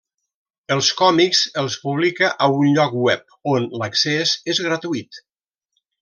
Els còmics els publica a un lloc web, on l'accés és gratuït.